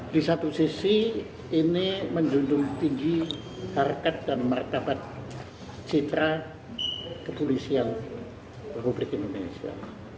di satu sisi ini menjunjung tinggi harkat dan martabat citra kepolisian republik indonesia